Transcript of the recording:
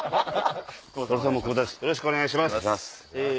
よろしくお願いします。